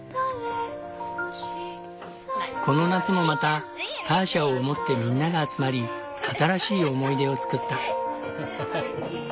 この夏もまたターシャを思ってみんなが集まり新しい思い出を作った。